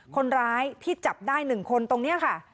คนร้ายที่จับได้๑คนตรงนี้ค่ะ